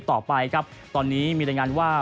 ต่อไปครับตอนนี้มีรายงานว่า